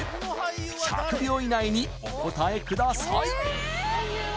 １００秒以内にお答えください